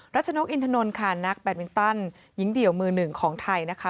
ชนกอินทนนท์ค่ะนักแบตมินตันหญิงเดี่ยวมือหนึ่งของไทยนะคะ